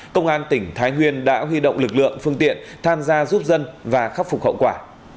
công an tỉnh thái nguyên đã huy động lực lượng phương tiện tham gia giúp dân và khắc phục hậu quả